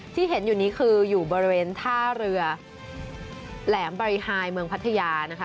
ที่เห็นอยู่นี้คืออยู่บริเวณท่าเรือแหลมบริหายเมืองพัทยานะคะ